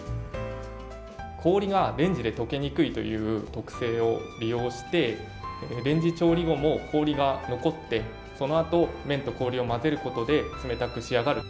氷がレンジでとけにくいという特性を利用して、レンジ調理後も氷が残って、そのあと、麺と氷を混ぜることで、冷たく仕上がる。